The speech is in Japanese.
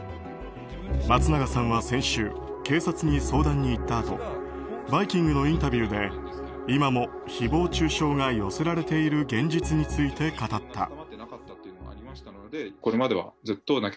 松永さんは先週警察に相談に行ったあと「バイキング」のインタビューで今も誹謗中傷が寄せられている現実について語った。